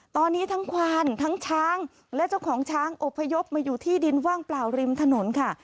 ตอนนี้ทั้งควานทั้งช้างและเจ้าของช้างอบพยพมาอยู่ที่ดินว่างเปล่าริมถนนค่ะ